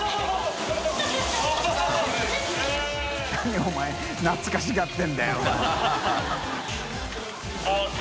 お前懐かしがってるんだよお前。